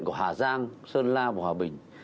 của hà giang sơn la và hòa bình